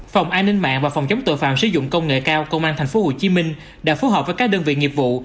phòng an ninh mạng và phòng chống tội phạm sử dụng công nghệ cao công an tp hcm đã phối hợp với các đơn vị nghiệp vụ